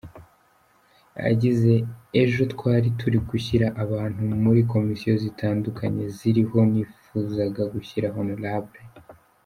Yagize "Ejo twari turi gushyira abantu muri Komisiyo zitandukanye ziriho, nifuzaga gushyira Hon.